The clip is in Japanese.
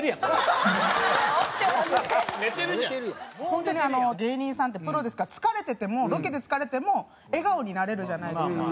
本当にあの芸人さんってプロですから疲れててもロケで疲れても笑顔になれるじゃないですか。